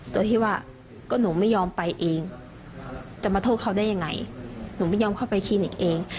โดยที่ว่าก็หนูไม่ยอมไปเองจะมาโทษเขาได้ยังไงหนูไม่ยอมเข้าไปคลินิกเอง